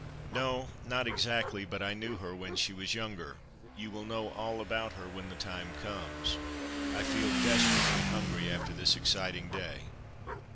"No, not exactly, but I knew her when she was younger. You will know all about her when the time comes. I feel desperately hungry, after this exciting day.